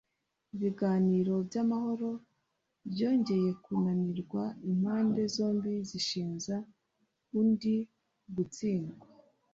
Ibiganiro byamahoro byongeye kunanirwa impande zombi zishinja undi gutsindwa